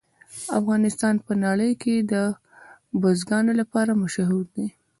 افغانستان په نړۍ کې د بزګانو لپاره مشهور دی.